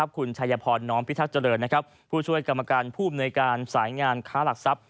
คุณชัยพรน้อมพิทักษ์เจริญผู้ช่วยกรรมการผู้อำนวยการสายงานค้าหลักทรัพย